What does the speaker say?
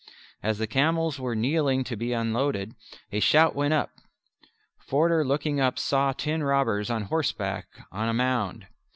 As the camels were kneeling to be unloaded, a shout went up. Forder looking up saw ten robbers on horseback on a mound.